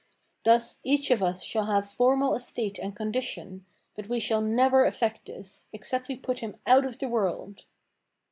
Thus each of us shall have formal estate and condition, but we shall never effect this, except we put him out of the world!"